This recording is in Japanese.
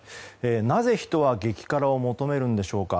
なぜ人は激辛を求めるんでしょうか。